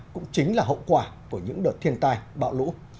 cũng chính là hậu quả của những đợt thiên tai bạo lũ